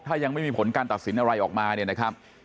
ถ้ายังไม่มีผลการตัดสินอะไรออกมาเนี่ยนะครับ